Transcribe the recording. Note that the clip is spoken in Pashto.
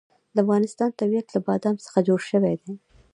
د افغانستان طبیعت له بادام څخه جوړ شوی دی.